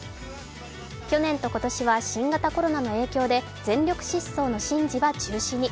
去年と今年は新型コロナの影響で全力疾走の神事は中止に。